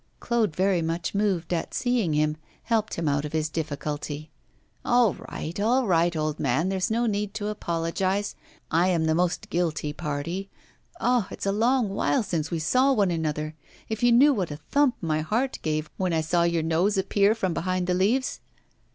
Claude, very much moved at seeing him, helped him out of his difficulty. 'All right, all right, old man, there is no need to apologise. I am the most guilty party. Ah! it's a long while since we saw one another! If you knew what a thump my heart gave when I saw your nose appear from behind the leaves!